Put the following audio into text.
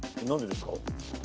何でですか？